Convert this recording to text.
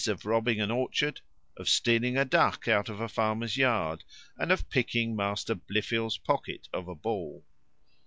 of robbing an orchard, of stealing a duck out of a farmer's yard, and of picking Master Blifil's pocket of a ball.